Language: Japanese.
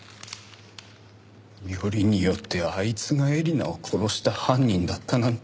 よりによってあいつが絵里奈を殺した犯人だったなんて。